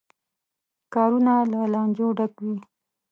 کارونه له لانجو ډکوي.